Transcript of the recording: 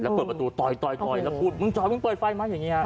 แล้วเปิดประตูต่อยแล้วหูบืนจอดปิดไฟมั้ย